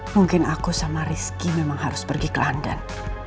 mungkin aku sama rizky memang harus pergi ke anda